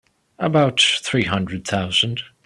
About three hundred thousand.